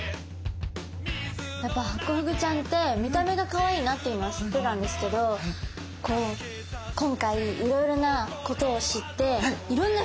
やっぱハコフグちゃんって見た目がかわいいなっていうのは知ってたんですけど今回いろいろなことを知っていろんな不思議もあったし